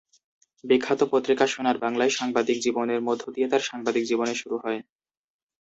বিখ্যাত পত্রিকা ‘সোনার বাংলা’য় সাংবাদিক জীবনের মধ্য দিয়ে তার সাংবাদিক জীবনের শুরু।